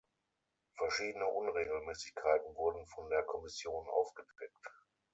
Verschiedene Unregelmäßigkeiten wurden von der Kommission aufgedeckt.